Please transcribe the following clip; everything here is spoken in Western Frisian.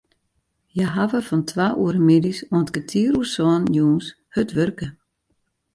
Hja hawwe fan twa oere middeis oant kertier oer sânen jûns hurd wurke.